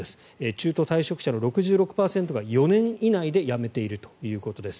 中途退職者の６６％が４年以内で辞めているということです。